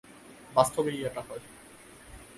বাস্তবেই এটা হয়।